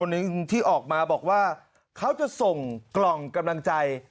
หนึ่งที่ออกมาบอกว่าเขาจะส่งกล่องกำลังใจ